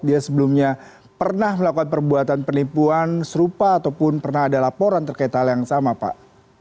dia sebelumnya pernah melakukan perbuatan penipuan serupa ataupun pernah ada laporan terkait hal yang sama pak